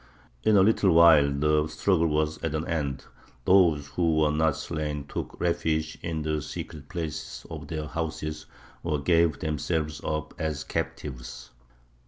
In a little while the struggle was at an end. Those who were not slain took refuge in the secret places of their houses, or gave themselves up as captives.